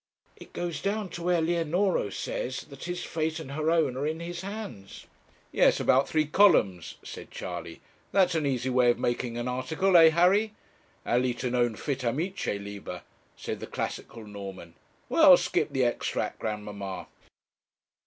'It goes down to where Leonora says that his fate and her own are in his hands.' 'Yes, about three columns,' said Charley; 'that's an easy way of making an article eh, Harry?' 'Aliter non fit, amice, liber,' said the classical Norman. 'Well, skip the extract, grandmamma.'